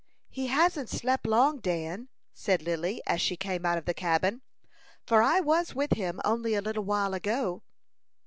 "He hasn't slept long, Dan," said Lily, as she came out of the cabin; "for I was with him only a little while ago."